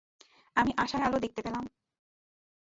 আমি আশার আলো দেখতে পেলাম।